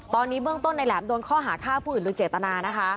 ตอนนี้เบื้องต้นในแหลมโดนข้อหาฆ่าผู้อื่นโดยเจตนานะคะ